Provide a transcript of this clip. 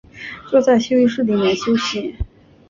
坐在休息室里面休息